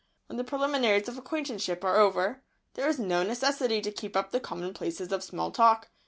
When the preliminaries of acquaintanceship are over there is no necessity to keep up the commonplaces of small talk.